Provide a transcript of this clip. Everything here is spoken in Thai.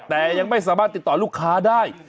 แต่ยังไม่สามารถติดต่อลูกค้าได้